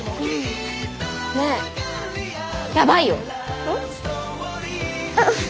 ねえやばいよ。